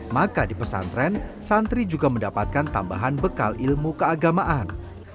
maka di pesantren santri juga mendapatkan tambahan bekal ilmu keagamaan